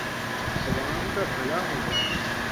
عوام کا بھلا ہو گا۔